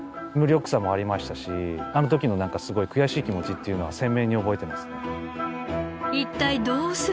無力さもありましたしあの時のすごい悔しい気持ちっていうのは鮮明に覚えてますね。